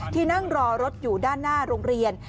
ที่นั่งรอรถอยู่ด้านหน้าโรงเรียน